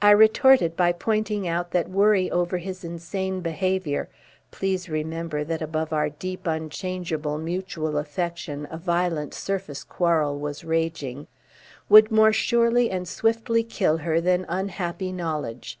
I retorted by pointing out that worry over his insane behaviour please remember that above our deep unchangeable mutual affection, a violent surface quarrel was raging would more surely and swiftly kill her than unhappy knowledge.